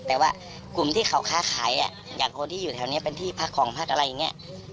แต่ว่ากลุ่มที่เขาค้าขายอย่างคนที่อยู่แถวนี้เป็นที่พักของพักอะไรอย่างนี้